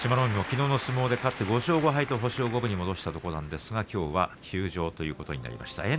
海もきのうの相撲で勝って５勝５敗と星を五分に戻したところなんですが、きょうは休場ということになりました。